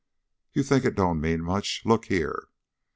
"You think it don't mean much. Look here!"